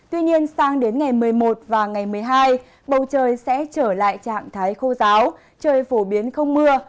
tuy nhiên sang đến ngày một mươi một và ngày một mươi hai bầu trời sẽ trở lại trạng thái khô giáo trời phổ biến không mưa